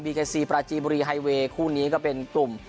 เกซีปราจีบุรีไฮเวย์คู่นี้ก็เป็นกลุ่ม